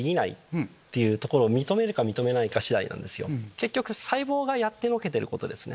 結局細胞がやってのけてることですね。